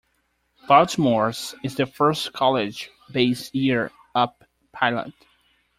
Baltimore's is the first college-based Year Up pilot.